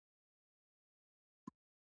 آیا دوی دواړه سیمه ییز قدرتونه نه دي؟